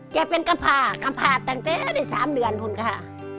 เก็บเป็นกระพากระพาตั้งแต่๓เดือนคุณค่ะ